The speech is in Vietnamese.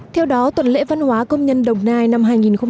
theo đó tuần lễ văn hóa công nhân đồng nai năm hai nghìn một mươi bảy